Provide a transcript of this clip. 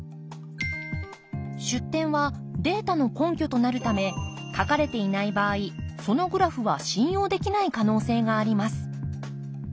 出典はデータの根拠となるため書かれていない場合そのグラフは信用できない可能性があります。